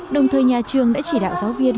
đồng thời nhà trường đã chỉ đạo giáo viên